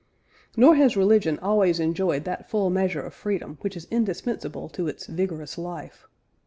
Nor has religion always enjoyed that full measure of freedom which is indispensable to its vigorous life.